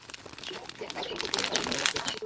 কাজের ছেলেটার নাম হল ইয়াসিন।